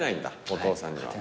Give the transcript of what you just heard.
お父さんには。